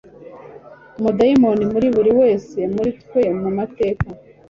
umudayimoni muri buri wese muri twe; mu mateka